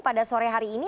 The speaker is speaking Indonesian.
pada sore hari ini